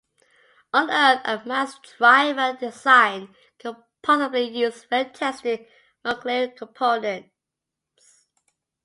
On Earth, a mass driver design could possibly use well-tested maglev components.